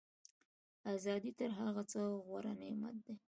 ازادي تر هر څه غوره نعمت دی.